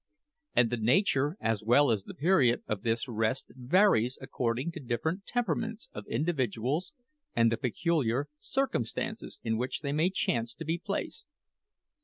And the nature, as well as the period, of this rest varies according to the different temperaments of individuals and the peculiar circumstances in which they may chance to be placed.